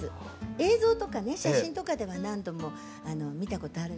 映像とかね写真とかでは何度も見たことあるんですけど。